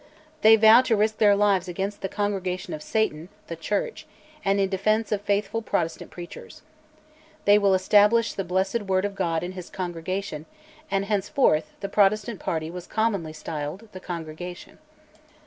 They vow to risk their lives against "the Congregation of Satan" (the Church), and in defence of faithful Protestant preachers. They will establish "the blessed Word of God and His Congregation," and henceforth the Protestant party was commonly styled "The Congregation."